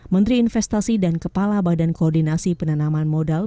menteri investasi dan kepala badan koordinasi penanaman modal